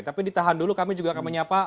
tapi ditahan dulu kami juga akan menyapa